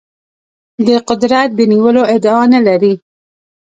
د قدرت د نیولو ادعا نه لري.